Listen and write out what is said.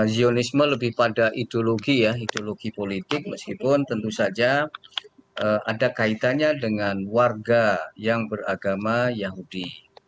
zionisme lebih pada ideologi ya ideologi politik meskipun tentu saja ada kaitannya dengan warga yang beragama yahudi